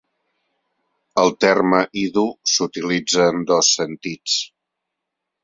El terme "idu" s'utilitza en dos sentits.